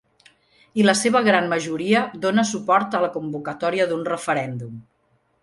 I la seva gran majoria dóna suport a la convocatòria d’un referèndum.